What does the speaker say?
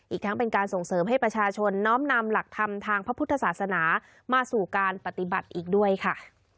อีกทั้งเป็นการส่งเสริมให้ประชาชนน้อมนำหลักธรรมทางพระพุทธศาสนามาสู่การปฏิบัติอีกด้วยค่ะ